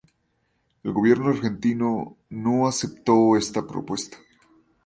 El Gobierno argentino no aceptó esta propuesta.